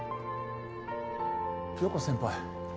涼子先輩？